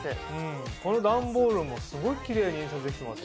この段ボールもすごいキレイに印刷できてますよね。